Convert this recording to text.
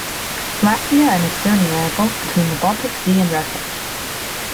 Latvia and Estonia are both between the Baltic Sea and Russia.